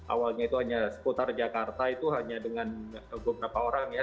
awalnya itu hanya seputar jakarta itu hanya dengan beberapa orang ya